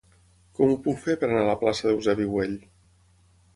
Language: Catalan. Com ho puc fer per anar a la plaça d'Eusebi Güell?